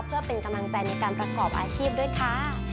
เพื่อเป็นกำลังใจในการประกอบอาชีพด้วยค่ะ